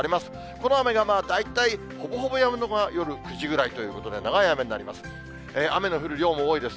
この雨が大体ほぼほぼやむのが夜９時ぐらいということで、長い雨になります。